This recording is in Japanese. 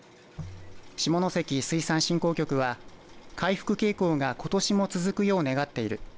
下関水産振興局は回復傾向がことしも続くよう願っている。